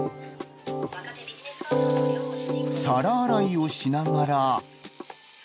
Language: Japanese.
皿洗いをしながら。